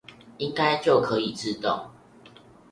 應該就可以自動